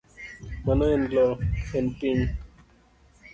Ma en loo, en piny.